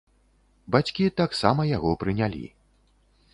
Бацькі таксама яго прынялі.